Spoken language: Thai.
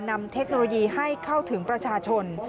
เทคโนโลยีให้เข้าถึงประชาชน